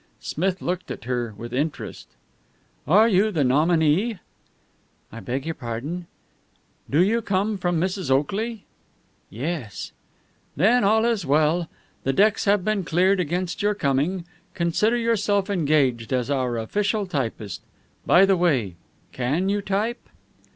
Smith looked at her with interest. "Are you the nominee?" "I beg your pardon?" "Do you come from Mrs. Oakley?" "Yes." "Then all is well. The decks have been cleared against your coming. Consider yourself engaged as our official typist. By the way, can you type?"